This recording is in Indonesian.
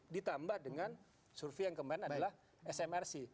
ditambah dengan survei yang kemarin adalah smrc